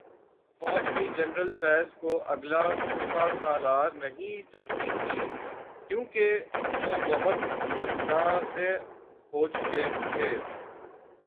فوج بھی جنرل فیض کو اگلا سپاسالار نہیں چاہتی تھی، کیونکہ وہ بہت متنازع ہوچکے تھے۔۔